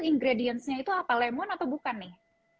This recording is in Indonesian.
ingredientsnya itu apa lemon atau bukan nih